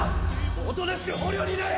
おとなしく捕虜になれ！